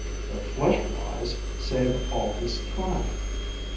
The flesh flies save all this time.